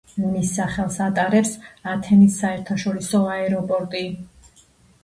მის სახელს ატარებს ათენის საერთაშორისო აეროპორტი.